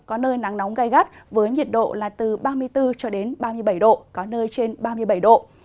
có nơi nắng nóng gai gắt với nhiệt độ là từ ba mươi bốn cho đến ba mươi bảy độ có nơi trên ba mươi bảy độ